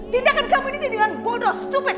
tindakan kamu ini dengan bodoh tupet